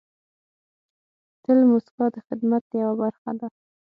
تل موسکا د خدمت یوه برخه ده.